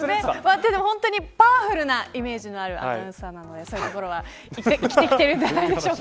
本当にパワフルなイメージのあるアナウンサーなのでそういうところは生きてるんじゃないでしょうか。